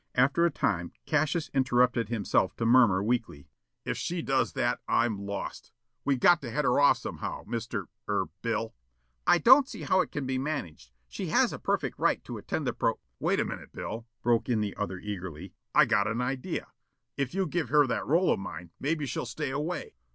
After a time, Cassius interrupted himself to murmur weakly: "If she does that, I'm lost. We got to head her off somehow, Mr. er Bill." "I don't see how it can be managed. She has a perfect right to attend the pro " "Wait a minute, Bill," broke in the other eagerly. "I got an idea. If you give her that roll of mine, maybe she'll stay away."